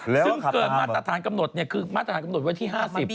ซึ่งเกินมาตรฐานกำหนดคือมาตรฐานกำหนดไว้ที่๕๐